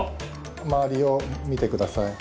周りを見て下さい。